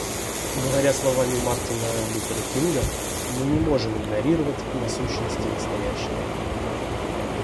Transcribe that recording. Говоря словами Мартина Лютера Кинга, мы не можем игнорировать насущности настоящего.